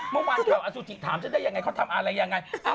เมื่อวานเขาอสุจิถามฉันได้อย่างไรเขาทำอะไรอย่างไร